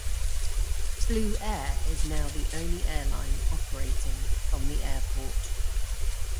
Blue Air is now the only airline operating from the airport.